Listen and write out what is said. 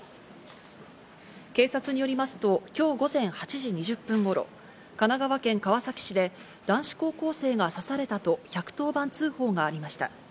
警察によりますと今日午前８時２０分頃、神奈川県川崎市で男子高校生が刺されたと１１０番通報がありました。